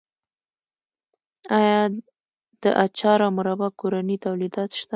آیا د اچار او مربا کورني تولیدات شته؟